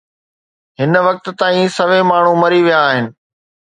هن وقت تائين سوين ماڻهو مري ويا آهن